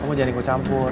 kamu jangan ikut campur